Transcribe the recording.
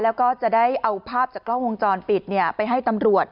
แล้วก็จะได้เอาภาพจากกล้องวงจรปิดไปให้ตำรวจ